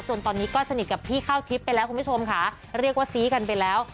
จนตอนนี้ก็สนิทกับพี่ข้าวทิพย์ไปแล้วคุณผู้ชมค่ะเรียกว่าซี้กันไปแล้ว